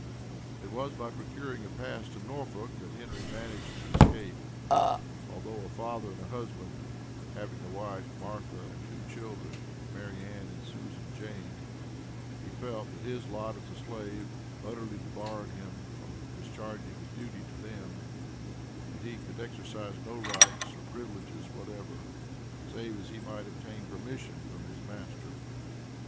It was by procuring a pass to Norfolk, that Henry managed to escape. Although a father and a husband, having a wife (Martha) and two children (Mary Ann and Susan Jane), he felt that his lot as a slave utterly debarred him from discharging his duty to them; that he could exercise no rights or privileges whatever, save as he might obtain permission from his master.